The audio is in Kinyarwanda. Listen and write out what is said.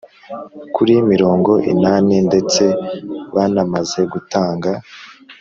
kuri mirongo inani ndetse banamaze gutanga